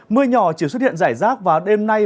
mưa nhỏ chỉ xuất hiện rải rác vào đêm nay